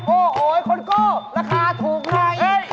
โอ้โหไอ้คนโก้ราคาถูกไหม